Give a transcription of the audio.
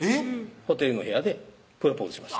ホテルの部屋でプロポーズしました